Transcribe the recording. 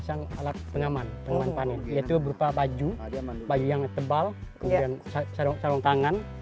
yang pertama ini boleh langsung bareng kota punya